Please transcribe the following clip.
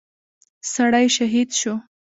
سړى شهيد شو.